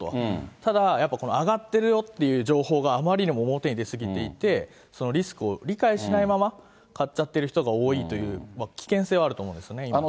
ただやっぱり上がってるよっていう情報があまりにも表に出過ぎていて、リスクを理解しないまま、買っちゃってる人が多いという、危険性はあると思うんですよね、今は。